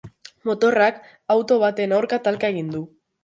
Motorrak auto baten aurka talka egin du.